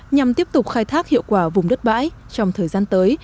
nhằm tiếp tục khai thác hiệu quả vùng đất bãi trong thời gian tới